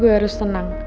gua harus tenang